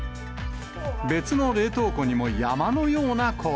別の冷凍庫にも山のような氷。